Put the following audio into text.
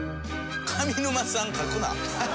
「上沼さん」書くな。